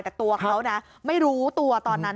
แต่ตัวเขานะไม่รู้ตัวตอนนั้น